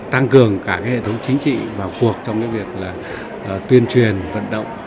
tăng cường cả cái hệ thống chính trị vào cuộc trong cái việc là tuyên truyền vận động